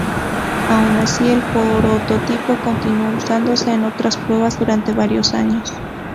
Aun así, el prototipo continuó usándose en otras pruebas durante varios años.